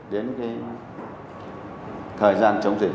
đến cái thời gian chống dịch